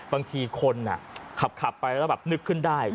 บางทีคนขับไปแล้วแบบนึกขึ้นได้